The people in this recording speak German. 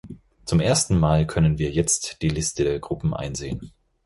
Zum ersten Mal können wir jetzt die Liste der Gruppen einsehen.